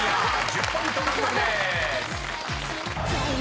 １０ポイント獲得です］